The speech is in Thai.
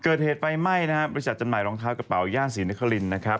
เกิดเหตุไฟไหม้บริษัทจันหมายรองเท้ากระเป๋าย่างศรีนครินทร์